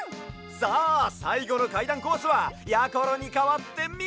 さあさいごのかいだんコースはやころにかわってみもも！